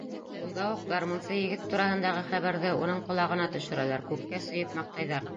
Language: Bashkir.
Юлда уҡ гармунсы егет тураһындағы хәбәрҙе уның ҡолағына төшөрәләр, күккә сөйөп маҡтайҙар.